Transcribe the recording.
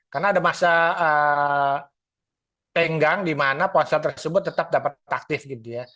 karena ada masa tenggang di mana ponsel tersebut tetap dapat aktif gitu ya